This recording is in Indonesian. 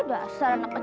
hidah serang anak kecil